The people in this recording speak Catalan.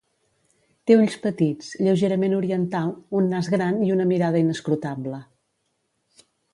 Té ulls petits, lleugerament oriental, un nas gran i una mirada inescrutable.